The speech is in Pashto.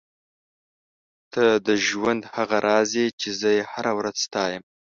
ته د ژوند هغه راز یې چې زه یې هره ورځ ستایم.